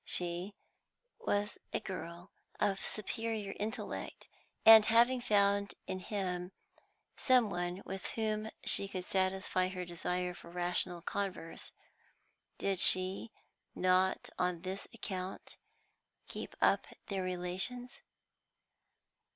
She was a girl of superior intellect, and, having found in him some one with whom she could satisfy her desire for rational converse, did she not on this account keep up their relations?